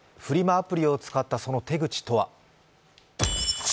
アプリを使ったその手口とは。